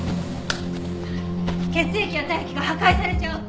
血液や体液が破壊されちゃう！